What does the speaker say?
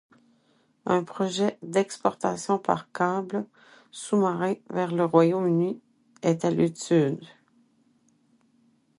Un projet d'exportation par câble sous-marin vers le Royaume-Uni est à l'étude.